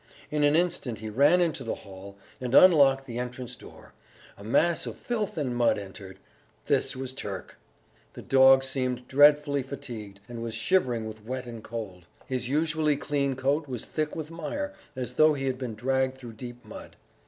In an instant he ran into the hall, and unlocked the entrance door.... A mass of filth and mud entered.... This was Turk! The dog seemed dreadfully fatigued, and was shivering with wet and cold. His usually clean coat was thick with mire, as though he had been dragged through deep mud.